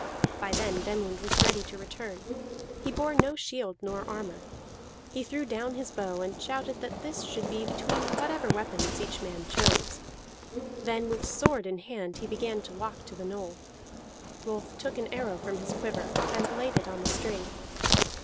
By then Vemund was ready to return; he bore no shield nor armor; he threw down his bow, and shouted that this should be between whatever weapons each man chose. Then with sword in hand he began to walk to the knoll. Rolf took an arrow from his quiver and laid it on the string.